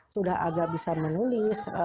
sudah agak bisa menulis